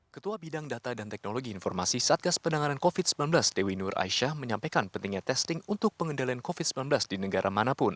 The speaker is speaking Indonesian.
ketua bidang data dan teknologi informasi satgas penanganan covid sembilan belas dewi nur aisyah menyampaikan pentingnya testing untuk pengendalian covid sembilan belas di negara manapun